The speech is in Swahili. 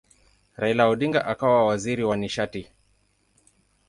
Raila Odinga akawa waziri wa nishati.